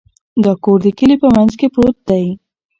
دا کور د کلي په منځ کې پروت دی.